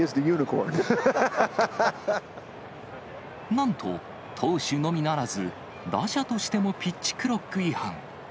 なんと、投手のみならず、打者としてもピッチクロック違反。